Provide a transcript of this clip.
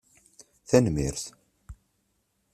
Tanemmirt